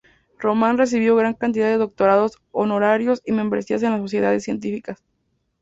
Raman recibió gran cantidad de doctorados honorarios y membresías en sociedades científicas.